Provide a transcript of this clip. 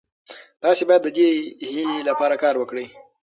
تاسي باید د دې هیلې لپاره کار وکړئ.